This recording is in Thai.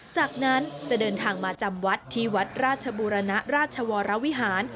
จากนั้นจะเดินทางมาจำวัดที่วัดราชบูรณราชวรวิหาร